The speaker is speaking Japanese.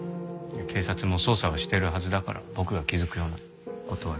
警察も捜査はしてるはずだから僕が気づくような事は気づいてると思う。